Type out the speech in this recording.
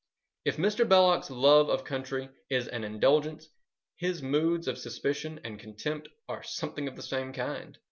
If Mr. Belloc's love of country is an indulgence, his moods of suspicion and contempt are something of the same kind.